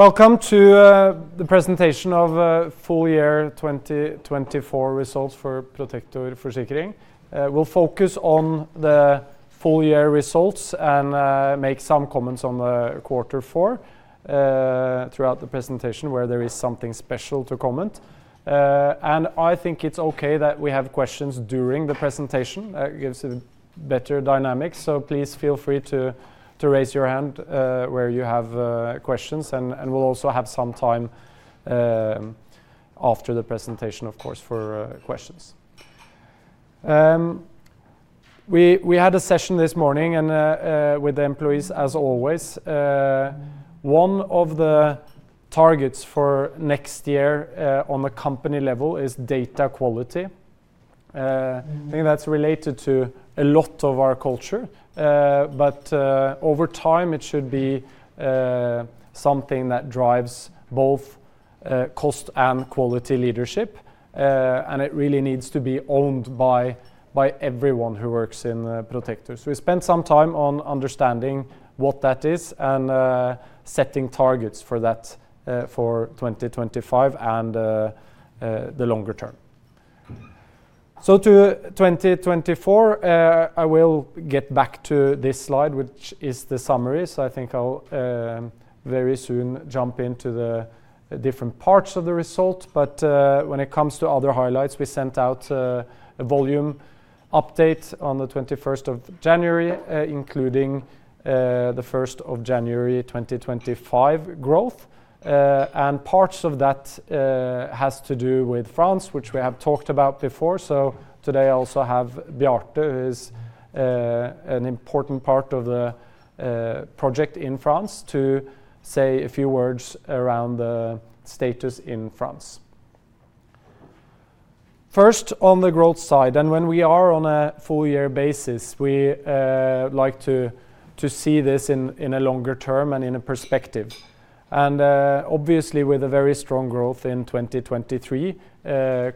Welcome to the presentation of Full Year 2024 Results for Protector Forsikring. We'll focus on the full year results and make some comments on the quarter four throughout the presentation where there is something special to comment. I think it's okay that we have questions during the presentation. It gives a better dynamic. Please feel free to raise your hand where you have questions. We'll also have some time after the presentation, of course, for questions. We had a session this morning with the employees, as always. One of the targets for next year on the company level is data quality. I think that's related to a lot of our culture. Over time, it should be something that drives both cost and quality leadership. It really needs to be owned by everyone who works in Protector. We spent some time on understanding what that is and setting targets for that for 2025 and the longer term. So up to 2024, I will get back to this slide, which is the summary. So I think I'll very soon jump into the different parts of the result. But when it comes to other highlights, we sent out a volume update on the 21st of January, including the 1st of January 2025 growth. And parts of that has to do with France, which we have talked about before. So today I also have Bjarte, who is an important part of the project in France, to say a few words around the status in France. First, on the growth side, and when we are on a full year basis, we like to see this in a longer term and in a perspective. Obviously, with a very strong growth in 2023,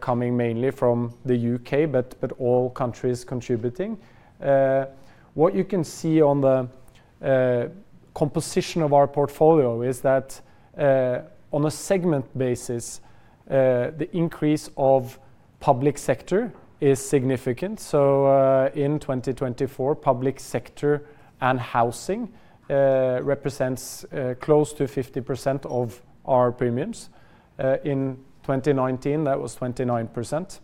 coming mainly from the U.K., but all countries contributing. What you can see on the composition of our portfolio is that on a segment basis, the increase of public sector is significant. So in 2024, public sector and housing represents close to 50% of our premiums. In 2019, that was 29%.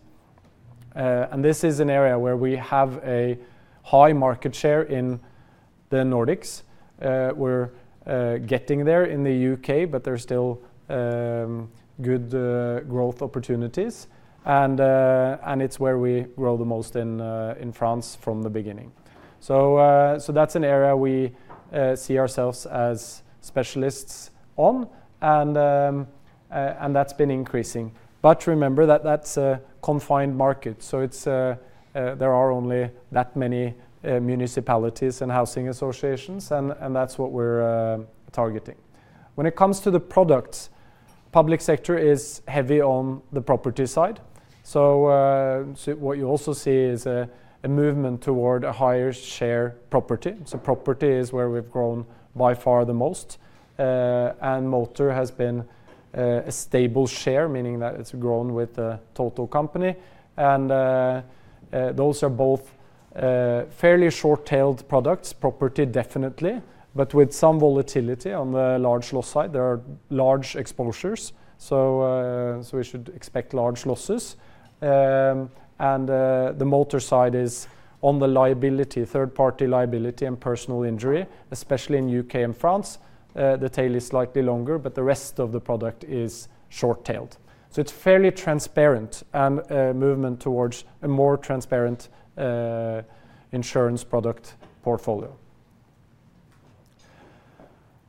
And this is an area where we have a high market share in the Nordics. We're getting there in the U.K., but there's still good growth opportunities. And it's where we grow the most in France from the beginning. So that's an area we see ourselves as specialists on. And that's been increasing. But remember that that's a confined market. So there are only that many municipalities and housing associations. And that's what we're targeting. When it comes to the products, public sector is heavy on the property side. What you also see is a movement toward a higher share of property. Property is where we've grown by far the most. Motor has been a stable share, meaning that it's grown with the total company. Those are both fairly short-tailed products. Property, definitely, but with some volatility on the large loss side. There are large exposures. We should expect large losses. The motor side is on the liability, third-party liability, and personal injury, especially in the U.K. and France. The tail is slightly longer, but the rest of the product is short-tailed. It's fairly transparent, and there is a movement towards a more transparent insurance product portfolio.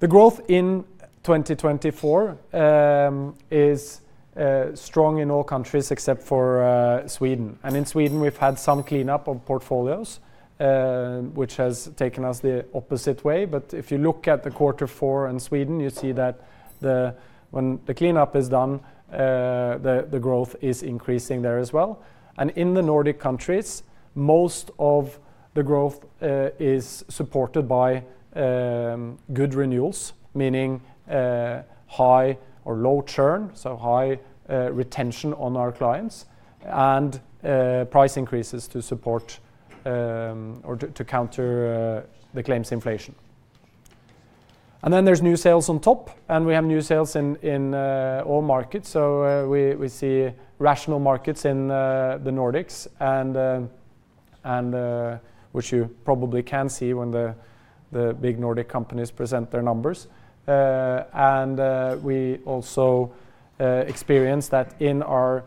The growth in 2024 is strong in all countries except for Sweden. In Sweden, we've had some cleanup of portfolios, which has taken us the opposite way. But if you look at the quarter four in Sweden, you see that when the cleanup is done, the growth is increasing there as well. And in the Nordic countries, most of the growth is supported by good renewals, meaning high or low churn, so high retention on our clients, and price increases to support or to counter the claims inflation. And then there's new sales on top. And we have new sales in all markets. So we see rational markets in the Nordics, which you probably can see when the big Nordic companies present their numbers. And we also experience that in our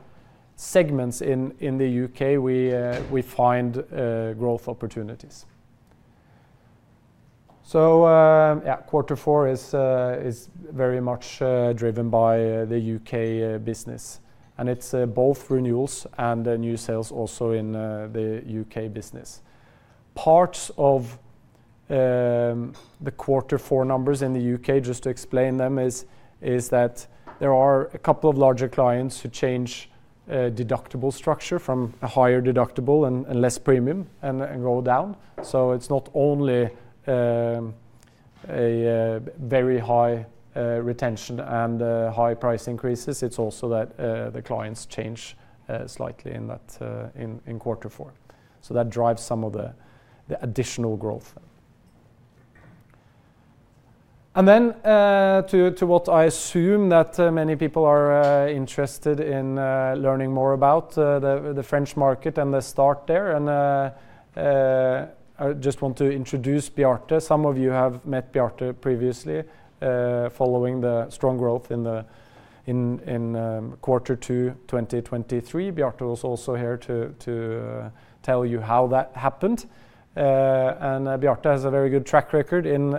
segments in the U.K., we find growth opportunities. So yeah, quarter four is very much driven by the U.K. business. And it's both renewals and new sales also in the U.K. business. Parts of the quarter four numbers in the U.K., just to explain them, is that there are a couple of larger clients who change deductible structure from a higher deductible and less premium and go down, so it's not only a very high retention and high price increases. It's also that the clients change slightly in quarter four, so that drives some of the additional growth, and then to what I assume that many people are interested in learning more about, the French market and the start there, and I just want to introduce Bjarte. Some of you have met Bjarte previously following the strong growth in quarter two 2023. Bjarte was also here to tell you how that happened, and Bjarte has a very good track record in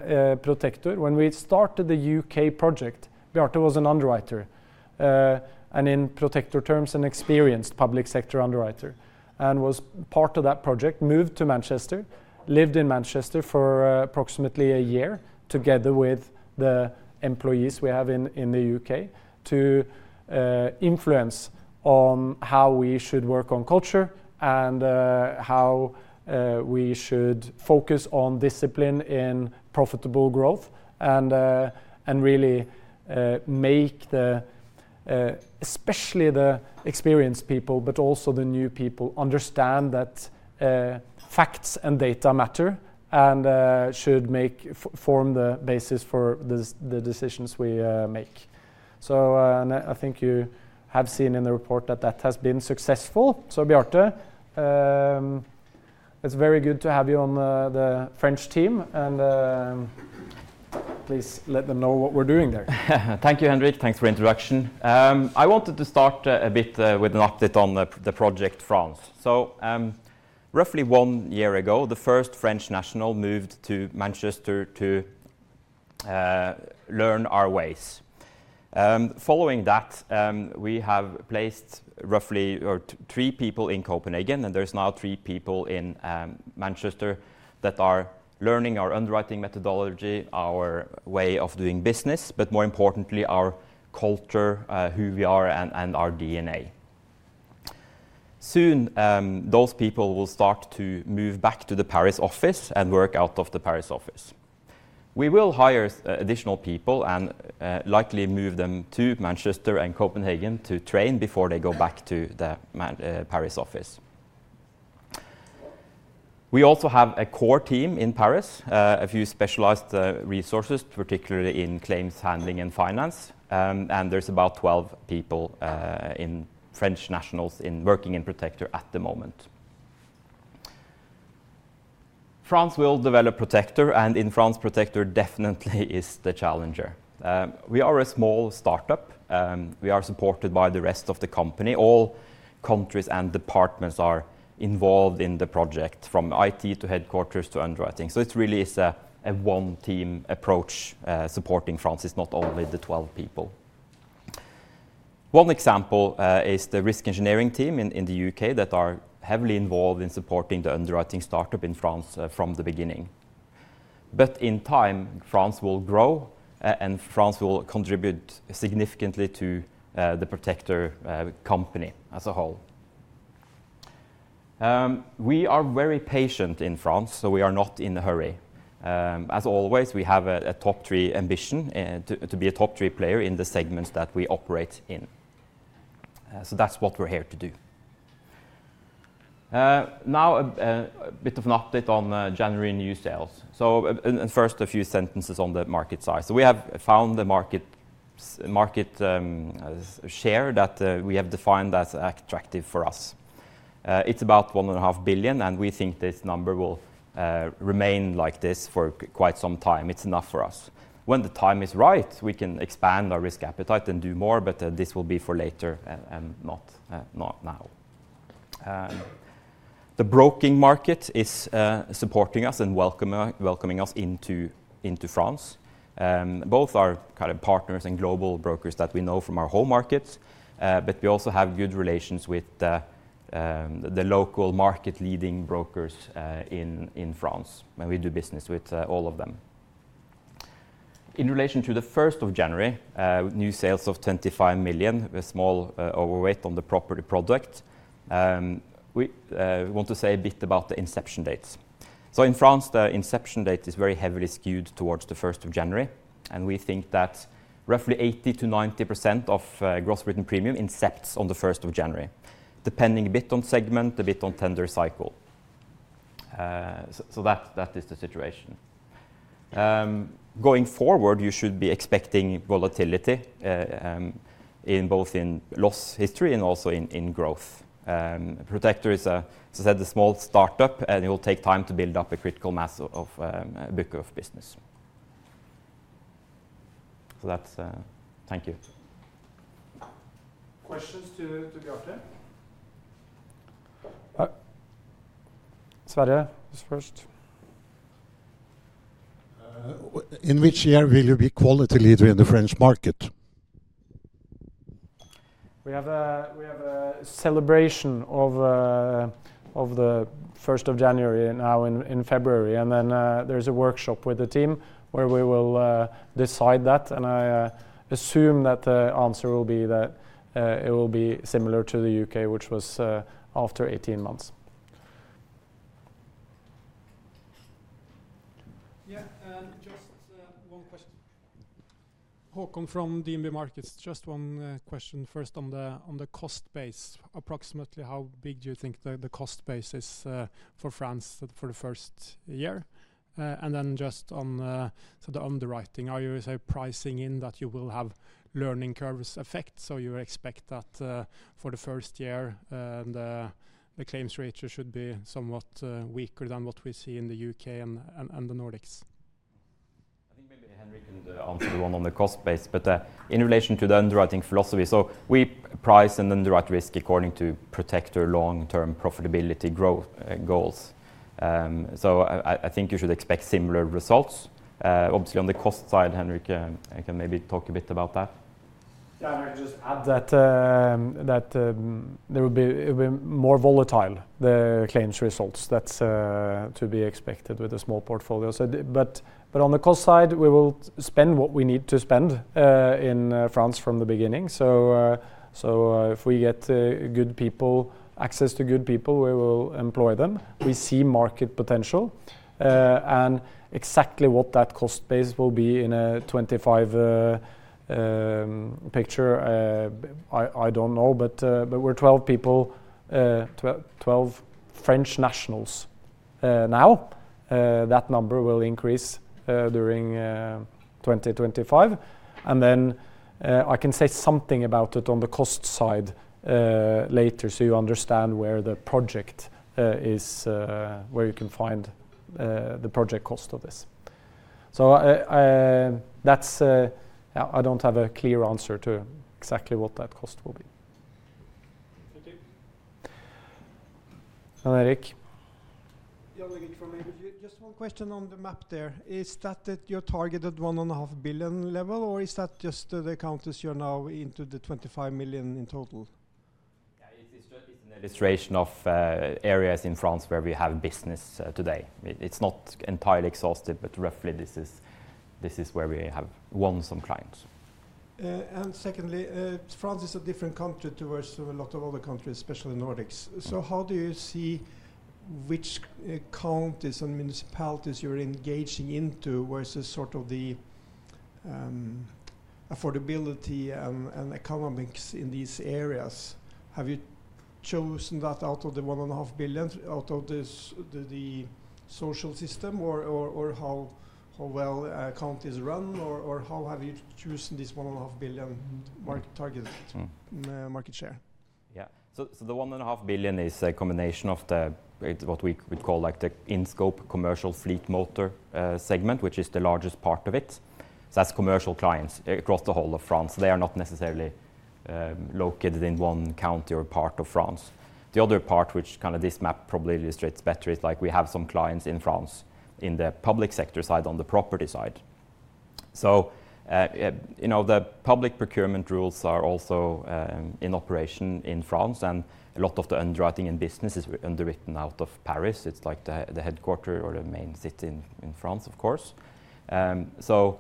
Protector. When we started the U.K. project, Bjarte was an underwriter, and in Protector terms, an experienced public sector underwriter. And was part of that project, moved to Manchester, lived in Manchester for approximately a year together with the employees we have in the U.K. to influence on how we should work on culture and how we should focus on discipline in profitable growth and really make the, especially the experienced people, but also the new people, understand that facts and data matter and should form the basis for the decisions we make. So I think you have seen in the report that that has been successful. So Bjarte, it's very good to have you on the French team. And please let them know what we're doing there. Thank you, Henrik. Thanks for the introduction. I wanted to start a bit with an update on the project France. So roughly one year ago, the first French national moved to Manchester to learn our ways. Following that, we have placed roughly three people in Copenhagen. And there's now three people in Manchester that are learning our underwriting methodology, our way of doing business, but more importantly, our culture, who we are, and our DNA. Soon, those people will start to move back to the Paris office and work out of the Paris office. We will hire additional people and likely move them to Manchester and Copenhagen to train before they go back to the Paris office. We also have a core team in Paris, a few specialized resources, particularly in claims handling and finance. And there's about 12 people in French nationals working in Protector at the moment. France will develop Protector. And in France, Protector definitely is the challenger. We are a small startup. We are supported by the rest of the company. All countries and departments are involved in the project, from IT to headquarters to underwriting. So it really is a one-team approach supporting France, not only the 12 people. One example is the risk engineering team in the U.K. that are heavily involved in supporting the underwriting startup in France from the beginning. But in time, France will grow and France will contribute significantly to the Protector company as a whole. We are very patient in France, so we are not in a hurry. As always, we have a top three ambition to be a top three player in the segments that we operate in. So that's what we're here to do. Now, a bit of an update on January new sales. First, a few sentences on the market size. We have found the market share that we have defined as attractive for us. It's about 1.5 billion. We think this number will remain like this for quite some time. It's enough for us. When the time is right, we can expand our risk appetite and do more. But this will be for later and not now. The broking market is supporting us and welcoming us into France. Both are kind of partners and global brokers that we know from our whole market. But we also have good relations with the local market-leading brokers in France. We do business with all of them. In relation to the 1st of January, new sales of 25 million, a small overweight on the property product. We want to say a bit about the inception dates. So in France, the inception date is very heavily skewed towards the 1st of January. And we think that roughly 80%-90% of gross written premium incepts on the 1st of January, depending a bit on segment, a bit on tender cycle. So that is the situation. Going forward, you should be expecting volatility both in loss history and also in growth. Protector is a small startup. And it will take time to build up a critical mass of book of business. So that's it. Thank you. Questions to Bjarte? Sverre, he's first. In which year will you be quality leader in the French market? We have a celebration of the 1st of January now in February. And then there's a workshop with the team where we will decide that. And I assume that the answer will be that it will be similar to the U.K., which was after 18 months. Yeah, just one question. Håkon from DNB Markets, just one question. First, on the cost base, approximately how big do you think the cost base is for France for the first year? And then just on the underwriting, are you pricing in that you will have learning curves effect? So you expect that for the first year, the claims rates should be somewhat weaker than what we see in the U.K. and the Nordics? I think maybe Henrik can answer the one on the cost base. But in relation to the underwriting philosophy, so we price and underwrite risk according to Protector long-term profitability goals. So I think you should expect similar results. Obviously, on the cost side, Henrik can maybe talk a bit about that. Yeah, just add that there will be more volatile, the claims results. That's to be expected with a small portfolio. But on the cost side, we will spend what we need to spend in France from the beginning. So if we get good people, access to good people, we will employ them. We see market potential. And exactly what that cost base will be in a 2025 picture, I don't know. But we're 12 people, 12 French nationals now. That number will increase during 2025. And then I can say something about it on the cost side later so you understand where the project is, where you can find the project cost of this. So I don't have a clear answer to exactly what that cost will be. Jan Erik? Yeah, Jan Erik from ABG. Just one question on the map there. Is that your target at 1.5 billion level? Or is that just the count as you're now into the 25 million in total? Yeah, it's an illustration of areas in France where we have business today. It's not entirely exhaustive, but roughly this is where we have won some clients. Secondly, France is a different country to a lot of other countries, especially the Nordics. How do you see which counties and municipalities you're engaging into versus sort of the affordability and economics in these areas? Have you chosen that out of the 1.5 billion, out of the social system? Or how well counties run? Or how have you chosen this 1.5 billion market targeted market share? Yeah. So the 1.5 billion is a combination of what we would call the in-scope commercial fleet motor segment, which is the largest part of it. So that's commercial clients across the whole of France. They are not necessarily located in one county or part of France. The other part, which kind of this map probably illustrates better, is like we have some clients in France in the public sector side on the property side. So the public procurement rules are also in operation in France. And a lot of the underwriting and business is underwritten out of Paris. It's like the headquarters or the main city in France, of course. So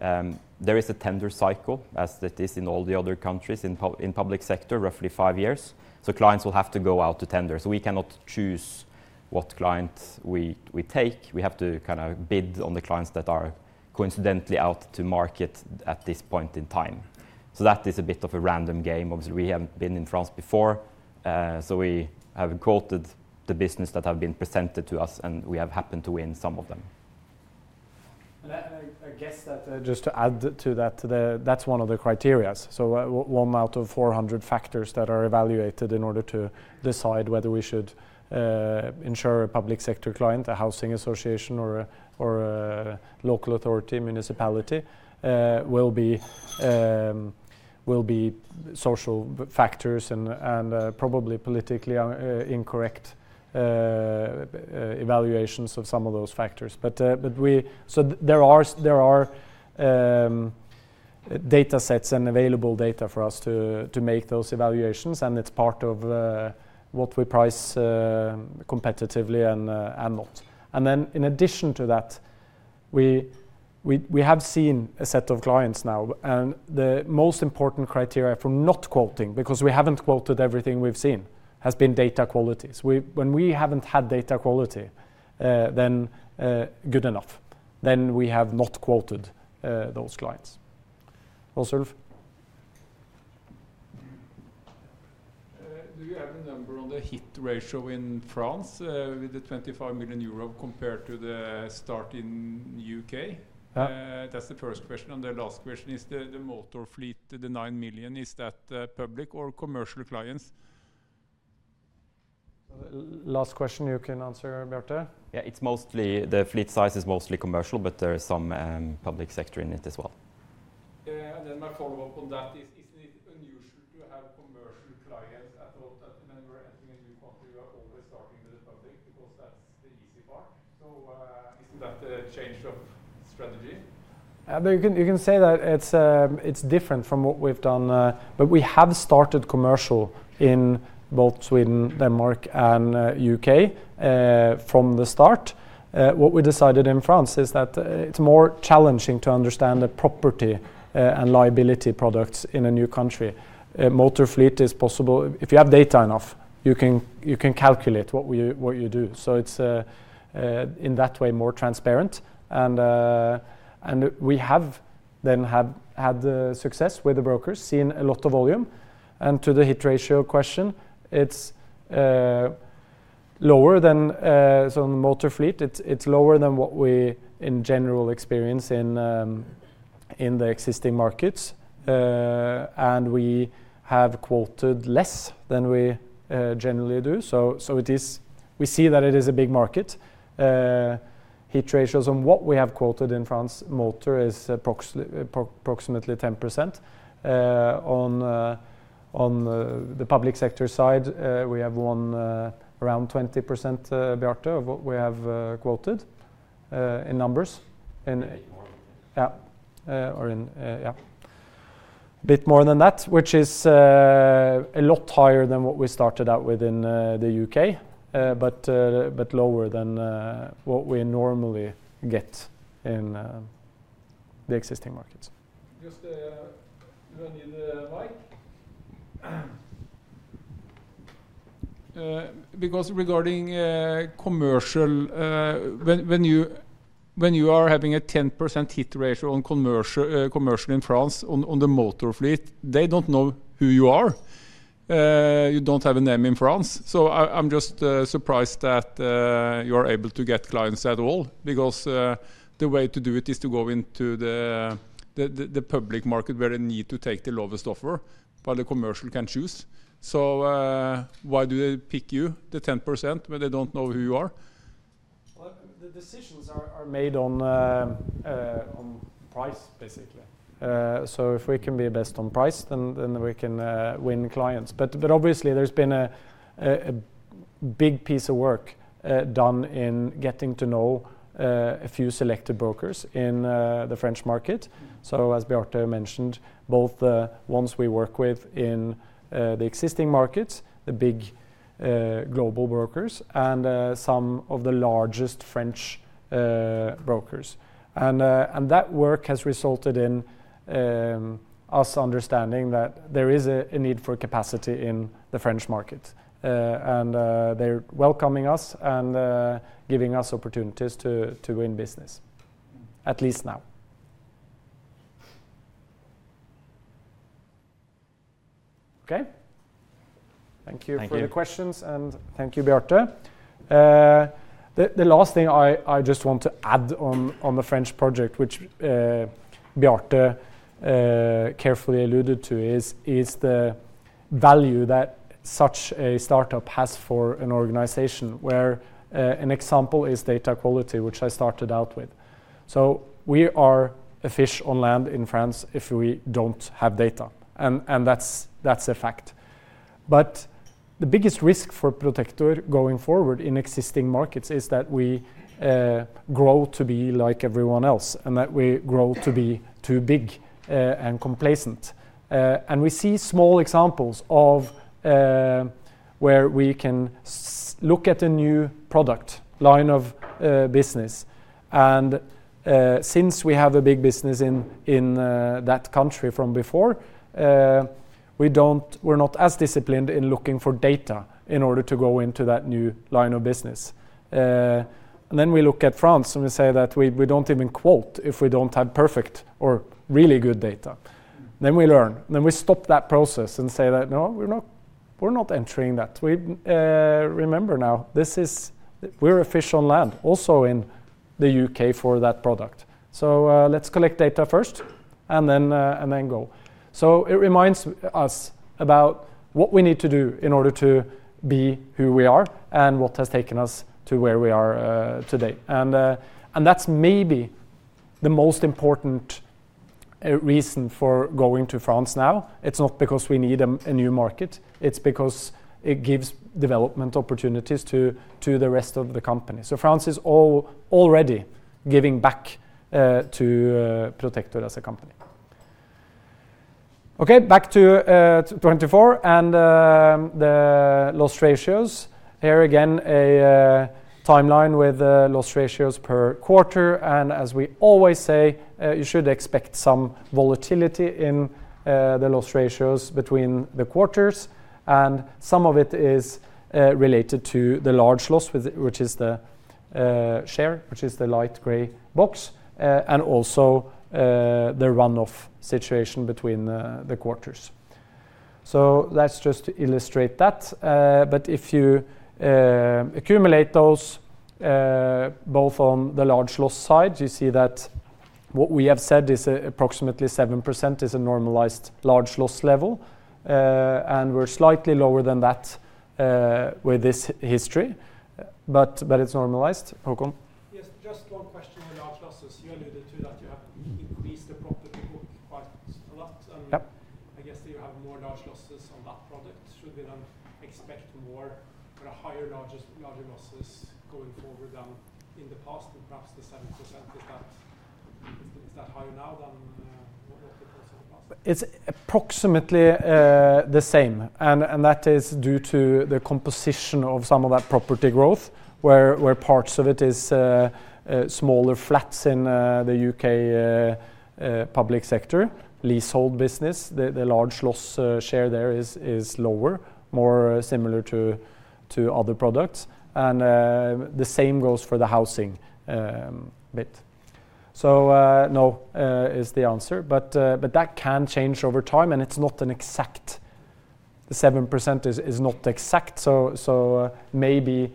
there is a tender cycle, as it is in all the other countries in public sector, roughly five years. So clients will have to go out to tender. So we cannot choose what client we take. We have to kind of bid on the clients that are coincidentally out to market at this point in time. So that is a bit of a random game. Obviously, we haven't been in France before. So we have quoted the business that have been presented to us. And we have happened to win some of them. I guess that just to add to that, that's one of the criteria. One out of 400 factors that are evaluated in order to decide whether we should insure a public sector client, a housing association, or a local authority, municipality, will be social factors and probably politically incorrect evaluations of some of those factors. There are data sets and available data for us to make those evaluations. It's part of what we price competitively and not. In addition to that, we have seen a set of clients now. The most important criteria for not quoting, because we haven't quoted everything we've seen, has been data quality. When we haven't had data quality, then good enough. Then we have not quoted those clients. Also. Do you have a number on the hit ratio in France with the 25 million euro compared to the start in U.K.? That's the first question. And the last question is the motor fleet, the 9 million, is that public or commercial clients? Last question you can answer, Bjarte. Yeah, the fleet size is mostly commercial. But there is some public sector in it as well. And then my follow-up on that is, isn't it unusual to have commercial clients? I thought that when we're entering a new country, we are always starting with the public because that's the easy part. So isn't that a change of strategy? Yeah, you can say that it's different from what we've done. But we have started commercial in both Sweden, Denmark, and U.K. from the start. What we decided in France is that it's more challenging to understand the property and liability products in a new country. Motor fleet is possible if you have data enough. You can calculate what you do. So it's in that way more transparent. And we have then had success with the brokers, seen a lot of volume. And to the hit ratio question, it's lower than some motor fleet. It's lower than what we in general experience in the existing markets. And we have quoted less than we generally do. So we see that it is a big market. Hit ratios on what we have quoted in France motor is approximately 10%. On the public sector side, we have won around 20%, Bjarte, of what we have quoted in numbers. Yeah, a bit more than that, which is a lot higher than what we started out with in the U.K., but lower than what we normally get in the existing markets. Just when you need the mic. Because regarding commercial, when you are having a 10% hit ratio on commercial in France on the motor fleet, they don't know who you are. You don't have a name in France. So I'm just surprised that you are able to get clients at all. Because the way to do it is to go into the public market where they need to take the lowest offer while the commercial can choose. So why do they pick you, the 10%, when they don't know who you are? The decisions are made on price, basically. So if we can be best on price, then we can win clients. But obviously, there's been a big piece of work done in getting to know a few selected brokers in the French market. So as Bjarte mentioned, both the ones we work with in the existing markets, the big global brokers, and some of the largest French brokers. And that work has resulted in us understanding that there is a need for capacity in the French market. And they're welcoming us and giving us opportunities to win business, at least now. OK, thank you for the questions. And thank you, Bjarte. The last thing I just want to add on the French project, which Bjarte carefully alluded to, is the value that such a startup has for an organization, where an example is data quality, which I started out with. So we are a fish on land in France if we don't have data. And that's a fact. But the biggest risk for Protector going forward in existing markets is that we grow to be like everyone else and that we grow to be too big and complacent. And we see small examples of where we can look at a new product line of business. And since we have a big business in that country from before, we're not as disciplined in looking for data in order to go into that new line of business. And then we look at France. And we say that we don't even quote if we don't have perfect or really good data. Then we learn. Then we stop that process and say that, no, we're not entering that. We remember now. We're a fish on land, also in the U.K. for that product. Let's collect data first and then go. It reminds us about what we need to do in order to be who we are and what has taken us to where we are today. That's maybe the most important reason for going to France now. It's not because we need a new market. It's because it gives development opportunities to the rest of the company. France is already giving back to Protector as a company. Okay, back to 2024 and the loss ratios. Here again, a timeline with loss ratios per quarter. As we always say, you should expect some volatility in the loss ratios between the quarters. Some of it is related to the large loss, which is the share, which is the light gray box, and also the runoff situation between the quarters. That's just to illustrate that. But if you accumulate those, both on the large loss side, you see that what we have said is approximately 7% is a normalized large loss level. And we're slightly lower than that with this history. But it's normalized. Yes, just one question on large losses. You alluded to that you have increased the property book quite a lot. And I guess that you have more large losses on that product. Should we then expect more or higher larger losses going forward than in the past? And perhaps the 7%, is that higher now than what it was in the past? It's approximately the same, and that is due to the composition of some of that property growth, where parts of it is smaller flats in the U.K. public sector, leasehold business. The large loss share there is lower, more similar to other products, and the same goes for the housing bit. So no is the answer, but that can change over time, and it's not an exact 7% is not exact. So maybe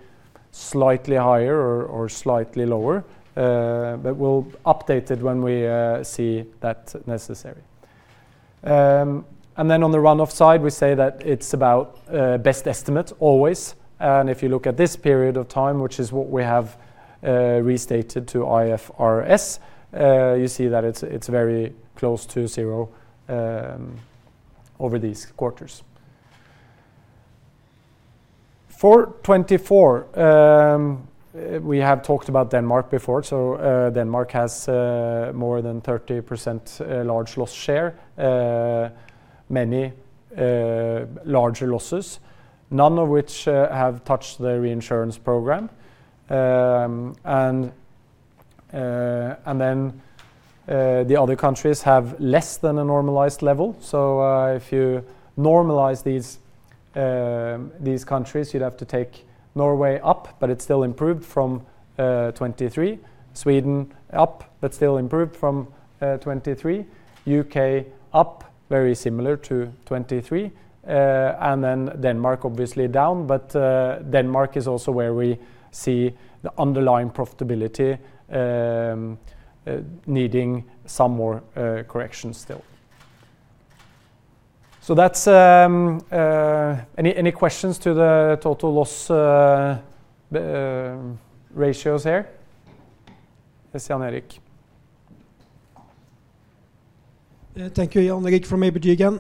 slightly higher or slightly lower, but we'll update it when we see that necessary. And then on the runoff side, we say that it's about best estimate always, and if you look at this period of time, which is what we have restated to IFRS, you see that it's very close to zero over these quarters. For 2024, we have talked about Denmark before. So Denmark has more than 30% large loss share, many larger losses, none of which have touched the reinsurance program. And then the other countries have less than a normalized level. So if you normalize these countries, you'd have to take Norway up. But it's still improved from 2023. Sweden up, but still improved from 2023. U.K. up, very similar to 2023. And then Denmark, obviously, down. But Denmark is also where we see the underlying profitability needing some more corrections still. So any questions to the total loss ratios here? This is Jan Erik. Thank you, Jan Erik, from ABG again.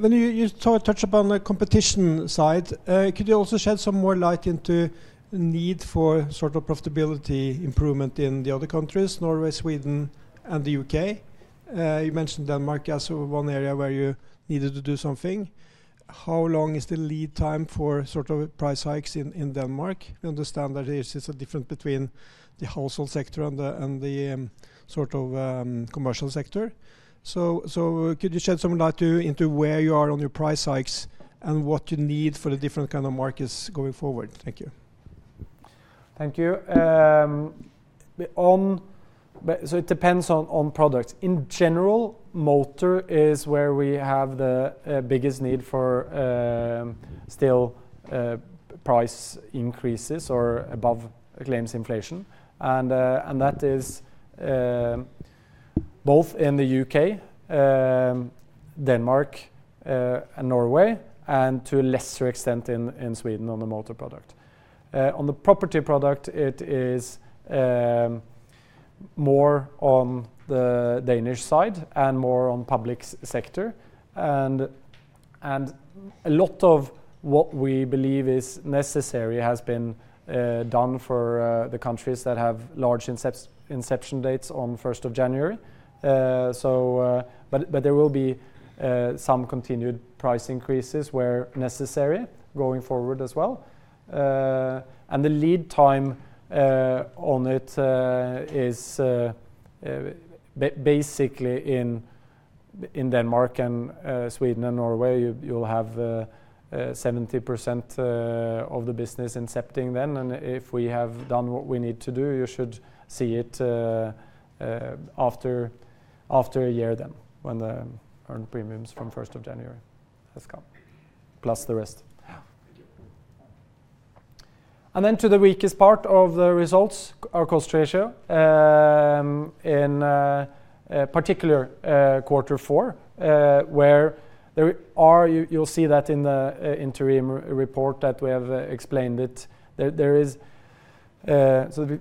When you touch upon the competition side, could you also shed some more light into the need for sort of profitability improvement in the other countries, Norway, Sweden, and the U.K.? You mentioned Denmark as one area where you needed to do something. How long is the lead time for sort of price hikes in Denmark? We understand that there is a difference between the household sector and the sort of commercial sector. So could you shed some light into where you are on your price hikes and what you need for the different kind of markets going forward? Thank you. Thank you. So it depends on products. In general, motor is where we have the biggest need for still price increases or above claims inflation. And that is both in the U.K., Denmark, and Norway, and to a lesser extent in Sweden on the motor product. On the property product, it is more on the Danish side and more on public sector. And a lot of what we believe is necessary has been done for the countries that have large inception dates on 1st of January. But there will be some continued price increases where necessary going forward as well. And the lead time on it is basically in Denmark and Sweden and Norway. You'll have 70% of the business incepting then. And if we have done what we need to do, you should see it after a year then when the earned premiums from 1st of January have come, plus the rest. And then to the weakest part of the results, our cost ratio, in particular quarter four, where you'll see that in the interim report that we have explained it. So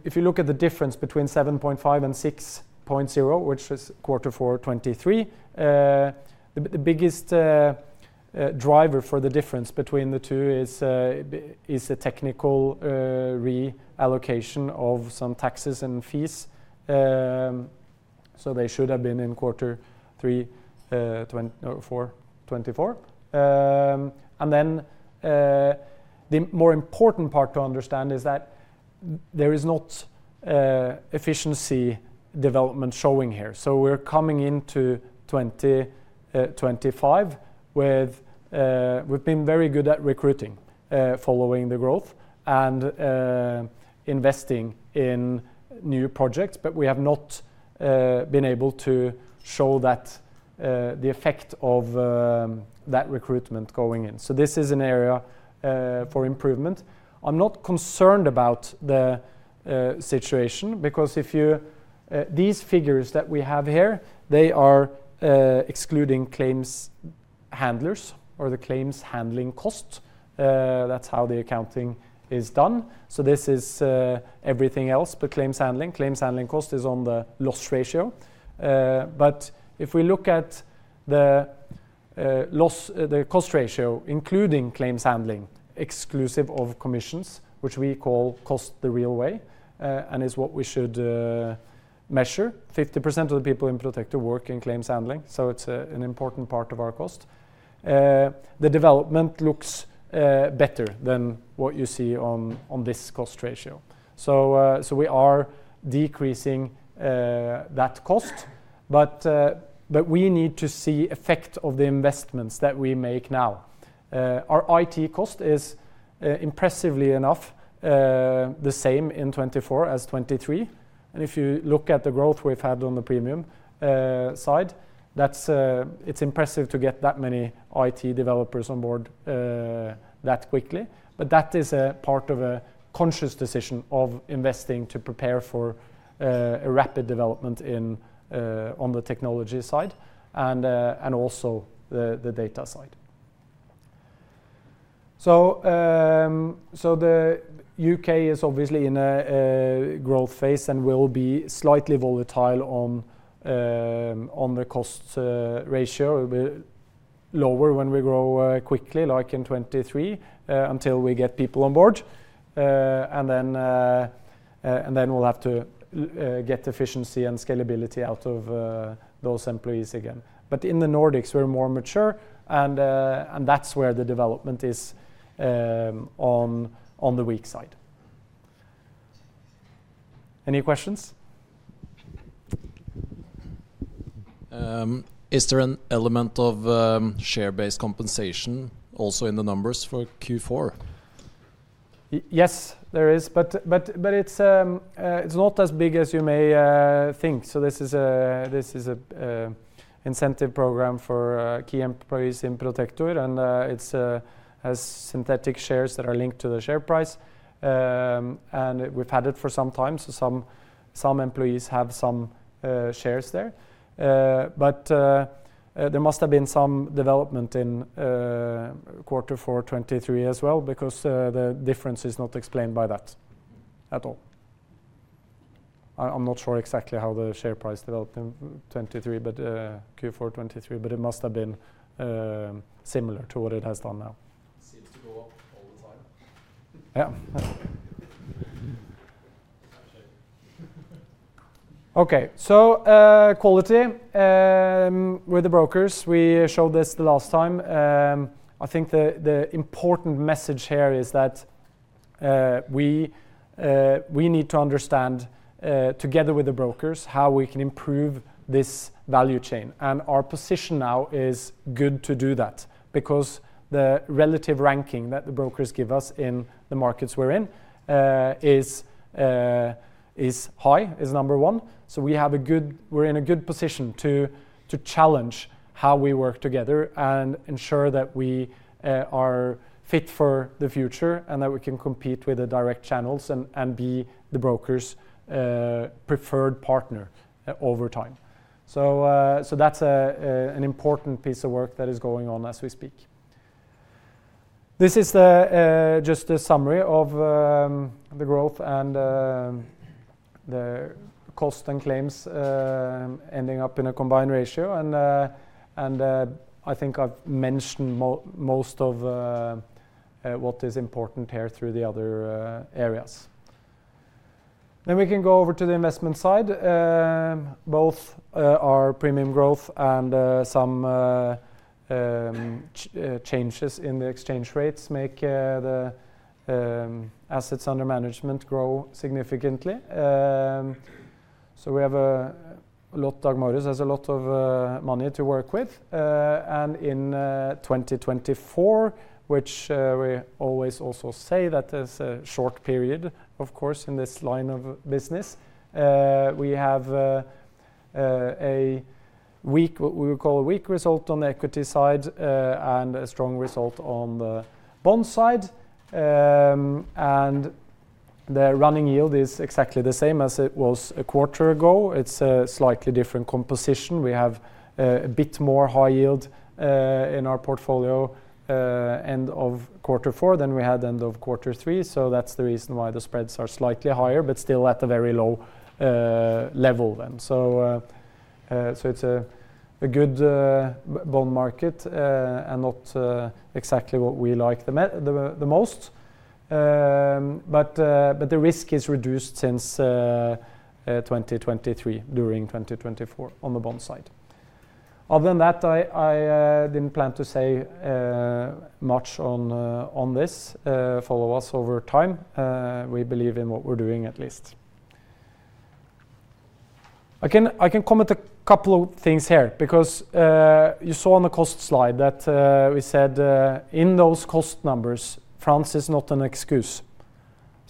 if you look at the difference between 7.5% and 6.0%, which is quarter four 2023, the biggest driver for the difference between the two is a technical reallocation of some taxes and fees. So they should have been in quarter three 2024. And then the more important part to understand is that there is not efficiency development showing here. So we're coming into 2025 with we've been very good at recruiting following the growth and investing in new projects. But we have not been able to show the effect of that recruitment going in. So this is an area for improvement. I'm not concerned about the situation. Because these figures that we have here, they are excluding claims handlers or the claims handling cost. That's how the accounting is done. So this is everything else but claims handling. Claims handling cost is on the loss ratio. But if we look at the cost ratio, including claims handling exclusive of commissions, which we call cost the real way and is what we should measure, 50% of the people in Protector work in claims handling. So it's an important part of our cost. The development looks better than what you see on this cost ratio. So we are decreasing that cost. But we need to see the effect of the investments that we make now. Our IT cost is impressively enough the same in 2024 as 2023, and if you look at the growth we've had on the premium side, it's impressive to get that many IT developers on board that quickly, but that is a part of a conscious decision of investing to prepare for a rapid development on the technology side and also the data side, so the U.K. is obviously in a growth phase and will be slightly volatile on the cost ratio. It will be lower when we grow quickly, like in 2023, until we get people on board, and then we'll have to get efficiency and scalability out of those employees again, but in the Nordics, we're more mature, and that's where the development is on the weak side. Any questions? Is there an element of share-based compensation also in the numbers for Q4? Yes, there is. But it's not as big as you may think. So this is an incentive program for key employees in Protector. And it has synthetic shares that are linked to the share price. And we've had it for some time. So some employees have some shares there. But there must have been some development in quarter four 2023 as well because the difference is not explained by that at all. I'm not sure exactly how the share price developed in 2023, but Q4 2023. But it must have been similar to what it has done now. Seems to go up all the time. Yeah. OK, so quality with the brokers. We showed this the last time. I think the important message here is that we need to understand together with the brokers how we can improve this value chain. And our position now is good to do that because the relative ranking that the brokers give us in the markets we're in is high, is number one. So we're in a good position to challenge how we work together and ensure that we are fit for the future and that we can compete with the direct channels and be the brokers' preferred partner over time. So that's an important piece of work that is going on as we speak. This is just a summary of the growth and the cost and claims ending up in a combined ratio. And I think I've mentioned most of what is important here through the other areas. Then we can go over to the investment side. Both our premium growth and some changes in the exchange rates make the assets under management grow significantly. So we have a lot, Dag Marius has a lot of money to work with. And in 2024, which we always also say that is a short period, of course, in this line of business, we have a weak what we would call a weak result on the equity side and a strong result on the bond side. And the running yield is exactly the same as it was a quarter ago. It's a slightly different composition. We have a bit more high yield in our portfolio end of quarter four than we had end of quarter three. So that's the reason why the spreads are slightly higher, but still at a very low level then. It's a good bond market and not exactly what we like the most. But the risk is reduced since 2023, during 2024, on the bond side. Other than that, I didn't plan to say much on this. Follow us over time. We believe in what we're doing at least. I can comment a couple of things here because you saw on the cost slide that we said in those cost numbers, France is not an excuse.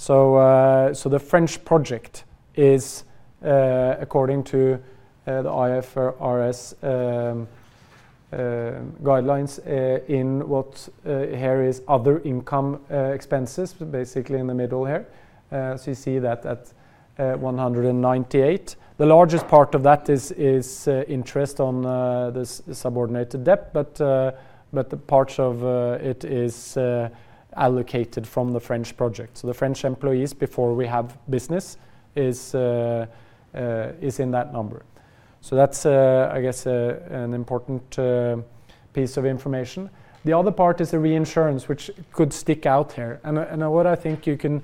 The French project is, according to the IFRS guidelines, in what here is other income and expenses, basically in the middle here. You see that at 198. The largest part of that is interest on this subordinated debt. But parts of it is allocated from the French project. The French employees before we have business is in that number. That's, I guess, an important piece of information. The other part is the reinsurance, which could stick out here. And what I think you can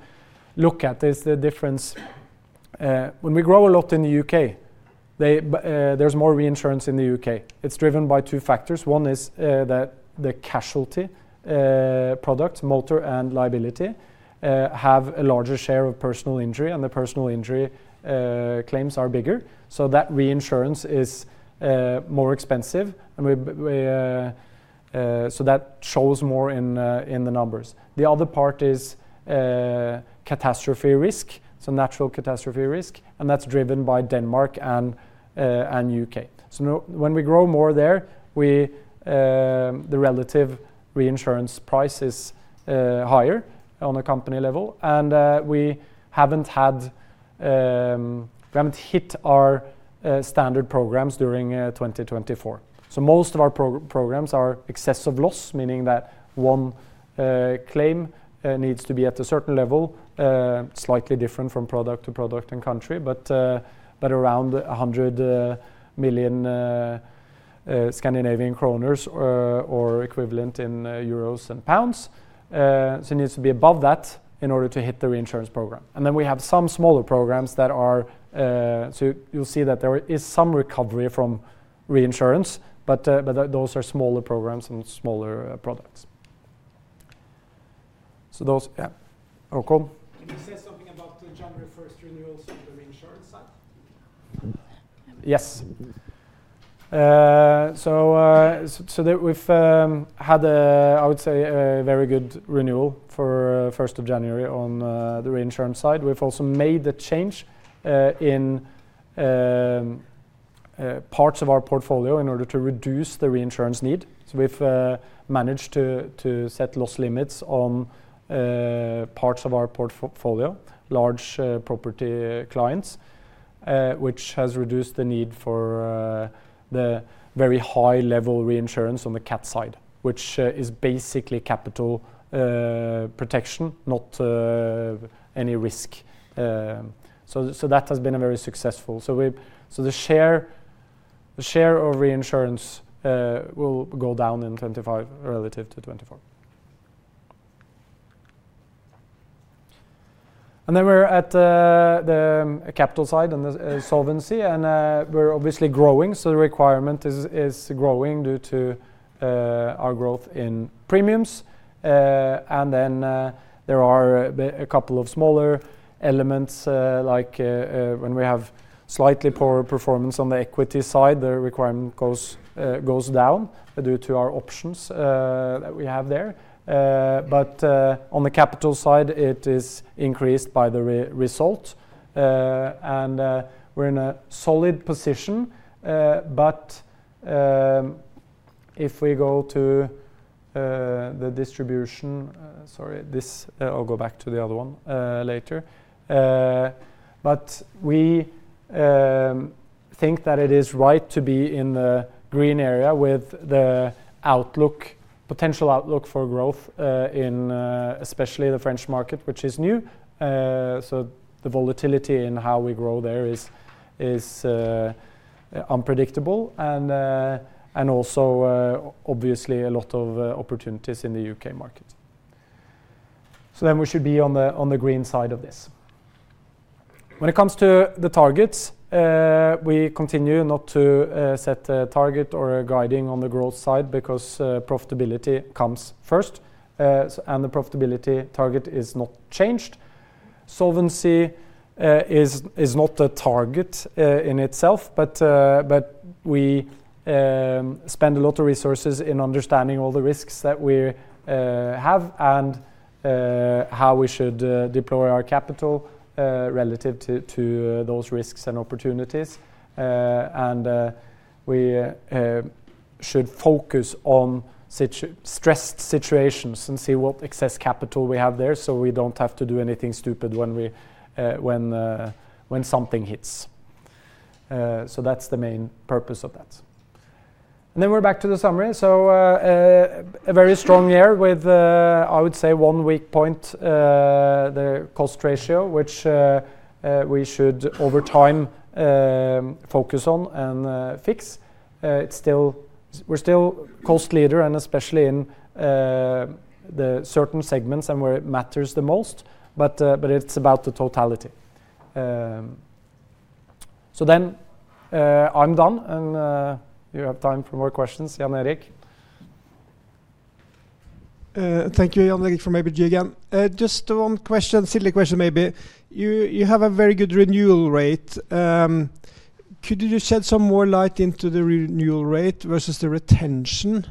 look at is the difference. When we grow a lot in the U.K., there's more reinsurance in the U.K. It's driven by two factors. One is that the casualty products, motor and liability, have a larger share of personal injury. And the personal injury claims are bigger. So that reinsurance is more expensive. So that shows more in the numbers. The other part is catastrophe risk, so natural catastrophe risk. And that's driven by Denmark and U.K. So when we grow more there, the relative reinsurance price is higher on a company level. And we haven't hit our standard programs during 2024. Most of our programs are excess of loss, meaning that one claim needs to be at a certain level, slightly different from product to product and country, but around EUR 100 million or equivalent in EUR and pounds. So it needs to be above that in order to hit the reinsurance program. And then we have some smaller programs that are, so you'll see that there is some recovery from reinsurance. But those are smaller programs and smaller products. So those, yeah. Oh, Håkon. Can you say something about the January 1st renewals on the reinsurance side? Yes. So we've had, I would say, a very good renewal for 1st of January on the reinsurance side. We've also made the change in parts of our portfolio in order to reduce the reinsurance need. So we've managed to set loss limits on parts of our portfolio, large property clients, which has reduced the need for the very high-level reinsurance on the cap side, which is basically capital protection, not any risk. So that has been very successful. So the share of reinsurance will go down in 2025 relative to 2024. And then we're at the capital side and the solvency. And we're obviously growing. So the requirement is growing due to our growth in premiums. And then there are a couple of smaller elements. Like when we have slightly poorer performance on the equity side, the requirement goes down due to our options that we have there. But on the capital side, it is increased by the result. And we're in a solid position. But if we go to the distribution, sorry, this I'll go back to the other one later. But we think that it is right to be in the green area with the potential outlook for growth, especially the French market, which is new. So the volatility in how we grow there is unpredictable. And also, obviously, a lot of opportunities in the U.K. market. So then we should be on the green side of this. When it comes to the targets, we continue not to set a target or a guiding on the growth side because profitability comes first. And the profitability target is not changed. Solvency is not a target in itself. But we spend a lot of resources in understanding all the risks that we have and how we should deploy our capital relative to those risks and opportunities. And we should focus on stressed situations and see what excess capital we have there so we don't have to do anything stupid when something hits. So that's the main purpose of that. And then we're back to the summary. So a very strong year with, I would say, one weak point, the cost ratio, which we should over time focus on and fix. We're still cost leader, and especially in the certain segments and where it matters the most. But it's about the totality. So then I'm done. And you have time for more questions, Jan Erik. Thank you, Jan Erik from ABG again. Just one question, silly question maybe. You have a very good renewal rate. Could you shed some more light into the renewal rate versus the retention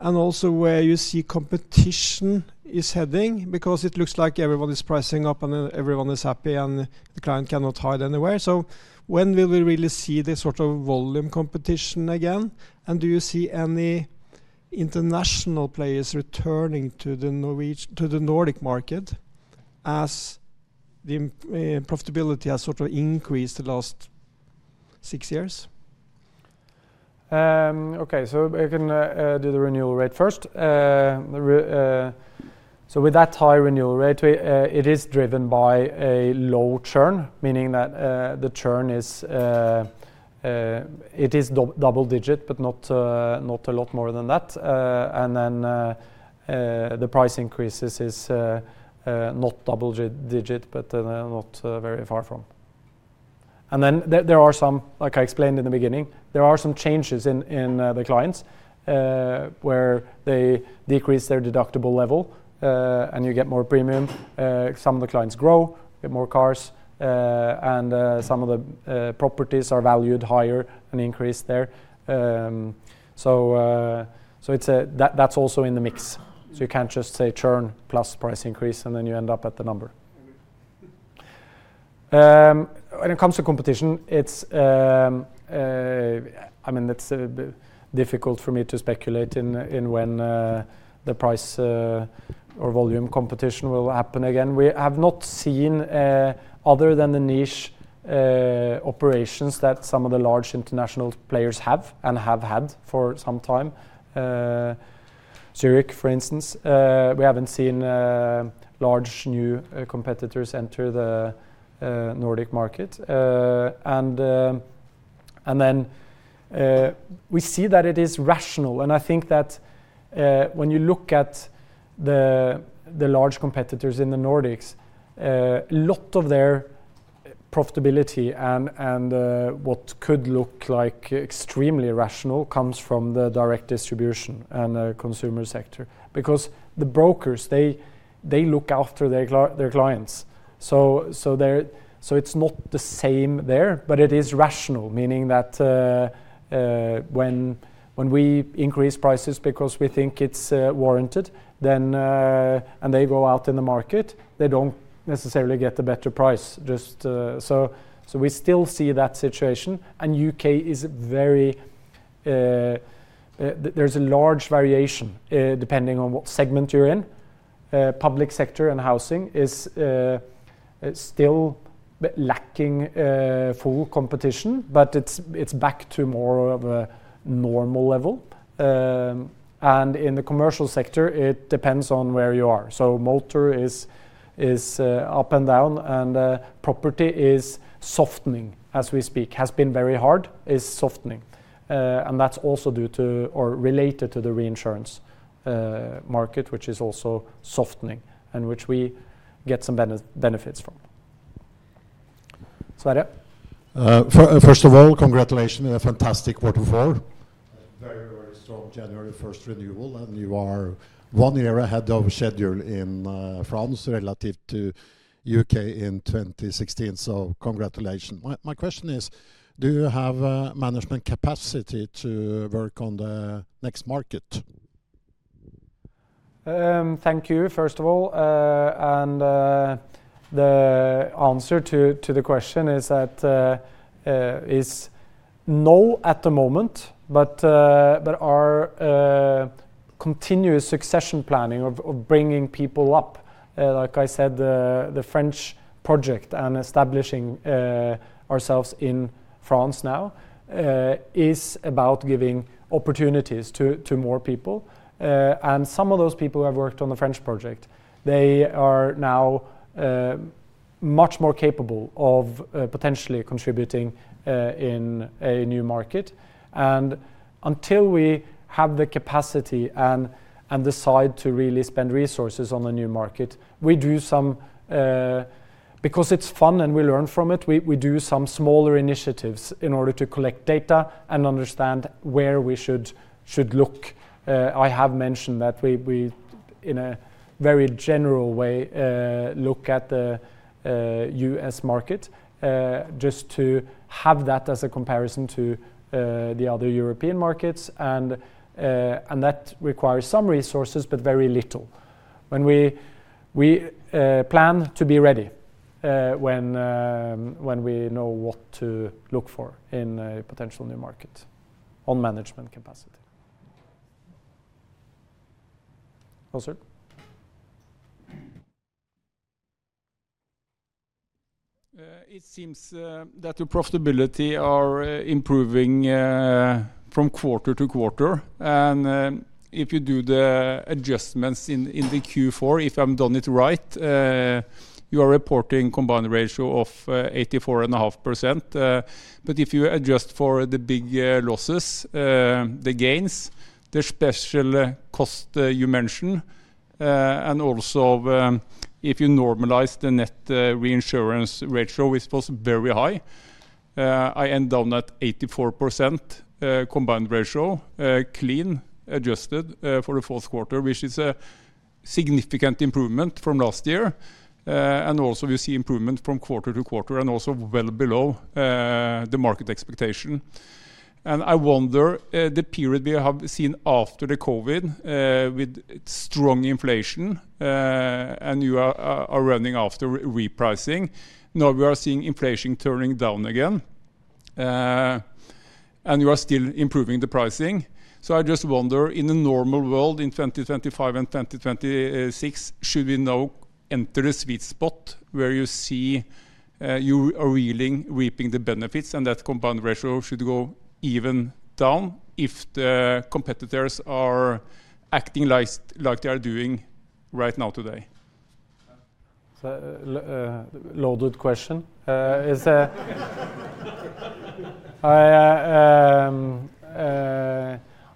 and also where you see competition is heading? Because it looks like everyone is pricing up and everyone is happy and the client cannot hide anywhere. So when will we really see this sort of volume competition again? And do you see any international players returning to the Nordic market as profitability has sort of increased the last six years? OK, so I can do the renewal rate first. So with that high renewal rate, it is driven by a low churn, meaning that the churn is double digit, but not a lot more than that. And then the price increases is not double digit, but not very far from. And then there are some, like I explained in the beginning, there are some changes in the clients where they decrease their deductible level and you get more premium. Some of the clients grow, get more cars. And some of the properties are valued higher and increased there. So that's also in the mix. So you can't just say churn plus price increase and then you end up at the number. When it comes to competition, I mean, it's difficult for me to speculate in when the price or volume competition will happen again. We have not seen, other than the niche operations that some of the large international players have and have had for some time, Zurich, for instance, we haven't seen large new competitors enter the Nordic market. And then we see that it is rational. And I think that when you look at the large competitors in the Nordics, a lot of their profitability and what could look like extremely rational comes from the direct distribution and consumer sector. Because the brokers, they look after their clients. So it's not the same there, but it is rational, meaning that when we increase prices because we think it's warranted and they go out in the market, they don't necessarily get a better price. So we still see that situation. And U.K. is very, there's a large variation depending on what segment you're in. Public Sector and Housing is still lacking full competition, but it's back to more of a normal level, and in the commercial sector, it depends on where you are, so Motor is up and down, and Property is softening as we speak, has been very hard, is softening, and that's also due to or related to the reinsurance market, which is also softening and which we get some benefits from, so, Adam. First of all, congratulations. Fantastic quarter four. Very, very strong January 1st renewal. And you are one year ahead of schedule in France relative to U.K. in 2016. So congratulations. My question is, do you have management capacity to work on the next market? Thank you, first of all. The answer to the question is that it is no at the moment. But there are continuous succession planning of bringing people up. Like I said, the French project and establishing ourselves in France now is about giving opportunities to more people. Some of those people who have worked on the French project, they are now much more capable of potentially contributing in a new market. Until we have the capacity and decide to really spend resources on the new market, we do some because it's fun and we learn from it. We do some smaller initiatives in order to collect data and understand where we should look. I have mentioned that we, in a very general way, look at the US market just to have that as a comparison to the other European markets. That requires some resources, but very little. When we plan to be ready, when we know what to look for in a potential new market on management capacity. Oh, sir? It seems that the profitability is improving from quarter to quarter. And if you do the adjustments in the Q4, if I've done it right, you are reporting combined ratio of 84.5%. But if you adjust for the big losses, the gains, the special cost you mentioned, and also if you normalize the net reinsurance ratio, it was very high. I end down at 84% combined ratio, clean adjusted for the fourth quarter, which is a significant improvement from last year. And also we see improvement from quarter to quarter and also well below the market expectation. And I wonder the period we have seen after the COVID with strong inflation and you are running after repricing. Now we are seeing inflation turning down again. And you are still improving the pricing. So I just wonder, in a normal world in 2025 and 2026, should we now enter the sweet spot where you see you are really reaping the benefits and that combined ratio should go even down if the competitors are acting like they are doing right now today? Loaded question. I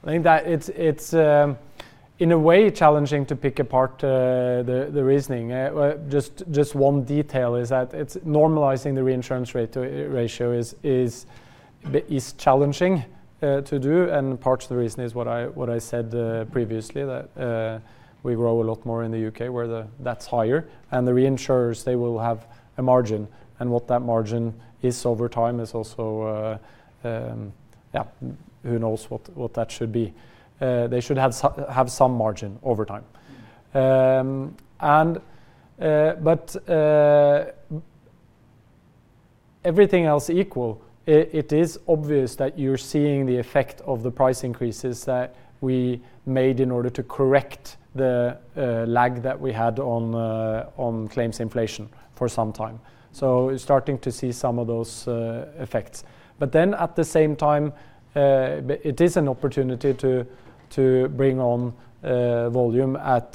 think that it's in a way challenging to pick apart the reasoning. Just one detail is that it's normalizing the reinsurance ratio is challenging to do. And part of the reason is what I said previously, that we grow a lot more in the U.K. where that's higher. And the reinsurers, they will have a margin. And what that margin is over time is also, yeah, who knows what that should be. They should have some margin over time. But everything else equal, it is obvious that you're seeing the effect of the price increases that we made in order to correct the lag that we had on claims inflation for some time. So starting to see some of those effects. But then at the same time, it is an opportunity to bring on volume at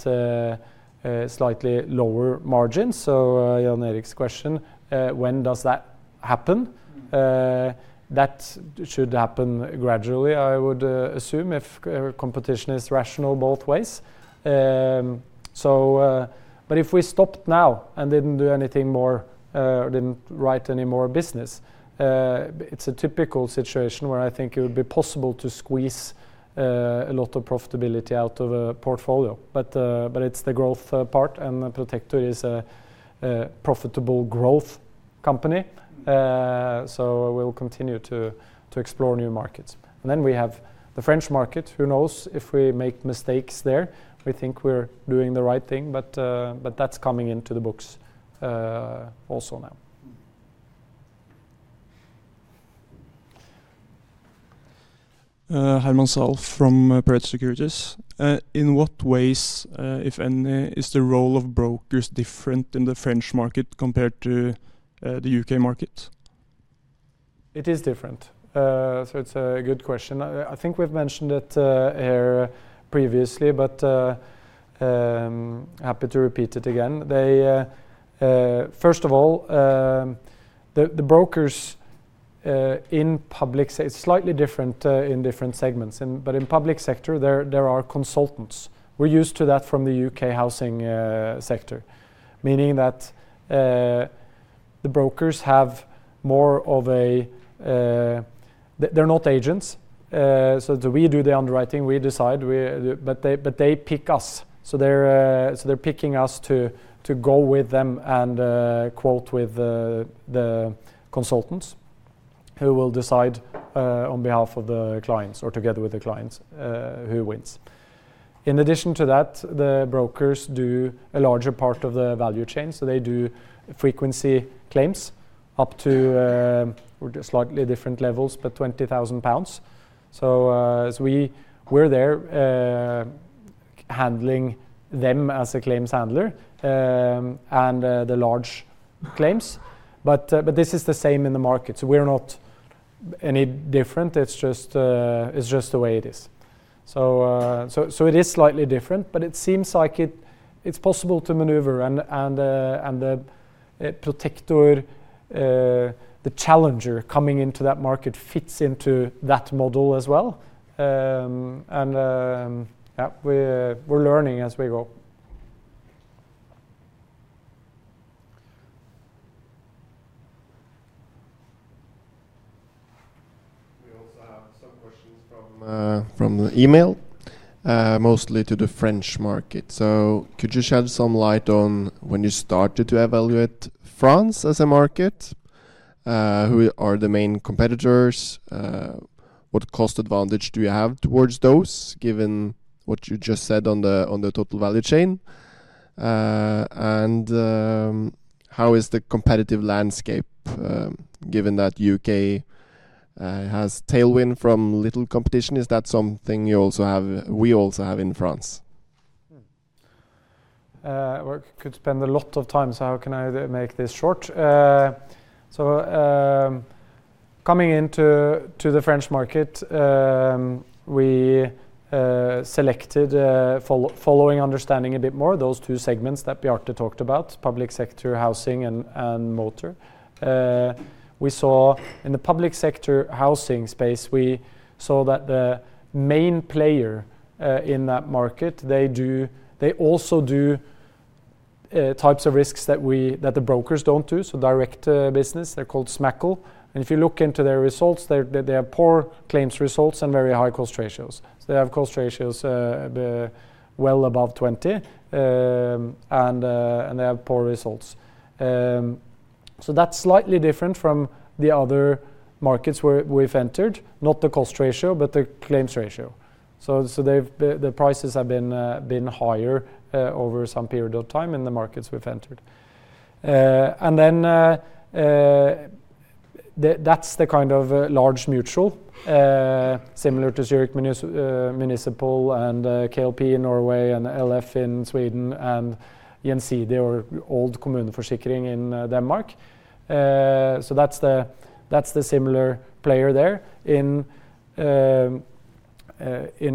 slightly lower margins. So Jan Erik's question, when does that happen? That should happen gradually, I would assume, if competition is rational both ways. But if we stopped now and didn't do anything more or didn't write any more business, it's a typical situation where I think it would be possible to squeeze a lot of profitability out of a portfolio. But it's the growth part. And Protector is a profitable growth company. So we'll continue to explore new markets. And then we have the French market. Who knows if we make mistakes there. We think we're doing the right thing. But that's coming into the books also now. Herman Zahl from Pareto Securities. In what ways, if any, is the role of brokers different in the French market compared to the U.K. market? It is different. So it's a good question. I think we've mentioned it here previously, but happy to repeat it again. First of all, the brokers in public sector, it's slightly different in different segments. But in public sector, there are consultants. We're used to that from the U.K. housing sector, meaning that the brokers have more of a they're not agents. So we do the underwriting. We decide. But they pick us. So they're picking us to go with them and quote with the consultants who will decide on behalf of the clients or together with the clients who wins. In addition to that, the brokers do a larger part of the value chain. So they do frequency claims up to slightly different levels, but 20,000 pounds. So we're there handling them as a claims handler and the large claims. But this is the same in the market. So we're not any different. It's just the way it is. So it is slightly different. But it seems like it's possible to maneuver. And Protector, the challenger coming into that market, fits into that model as well. And we're learning as we go. We also have some questions from the email, mostly to the French market. So could you shed some light on when you started to evaluate France as a market? Who are the main competitors? What cost advantage do you have towards those, given what you just said on the total value chain? And how is the competitive landscape, given that U.K. has tailwind from little competition? Is that something we also have in France? We could spend a lot of time, so how can I make this short? So coming into the French market, we selected, following understanding a bit more, those two segments that Bjarte talked about, public sector, housing, and motor. In the public sector housing space, we saw that the main player in that market, they also do types of risks that the brokers don't do, so direct business. They're called SMACL. And if you look into their results, they have poor claims results and very high cost ratios. So they have cost ratios well above 20%. And they have poor results. So that's slightly different from the other markets where we've entered, not the cost ratio, but the claims ratio. So the prices have been higher over some period of time in the markets we've entered. And then that's the kind of large mutual, similar to Zurich Municipal and KLP in Norway and LF in Sweden and Gjensidige, or Old KommuneForsikring in Denmark. So that's the similar player there. In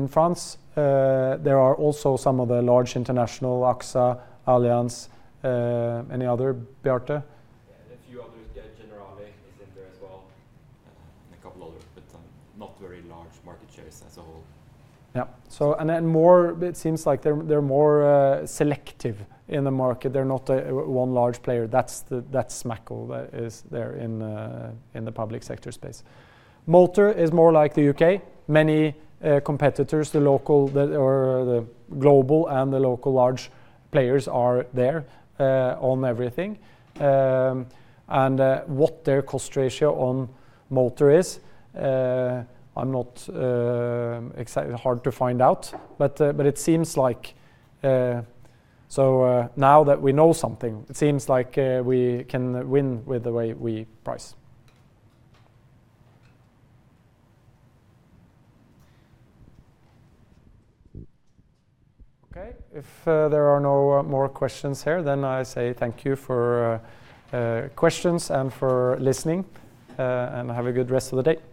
France, there are also some of the large international AXA, Allianz, any other, Bjarte? A few others, Generali, is in there as well, and a couple others, but not very large market shares as a whole. Yeah. And it seems like they're more selective in the market. They're not one large player. That's SMACL that is there in the public sector space. Motor is more like the U.K. Many competitors, the local or the global and the local large players are there on everything. And what their cost ratio on motor is, it's not hard to find out. But it seems like so now that we know something, it seems like we can win with the way we price. OK. If there are no more questions here, then I say thank you for questions and for listening, and have a good rest of the day. Thank you.